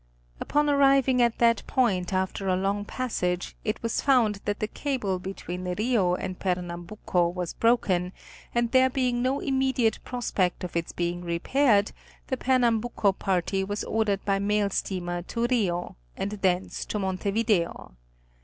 Upon arriving at that point after a long passage, it was found that the cable between Rio and Pernambuco was broken, and there being no immediate prospect of its being repaired, the Per nambuco party was ordered by mail steamer to Rio, and thence to Montevideo.